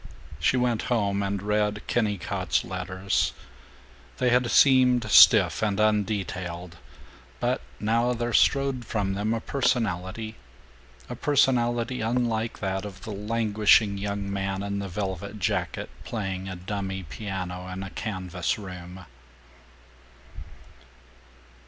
She went home and read Kennicott's letters. They had seemed stiff and undetailed, but now there strode from them a personality, a personality unlike that of the languishing young man in the velvet jacket playing a dummy piano in a canvas room.